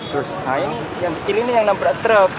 nah ini yang nampak truk